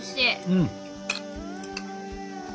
うん。